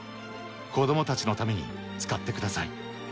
子どもたちのために使ってください。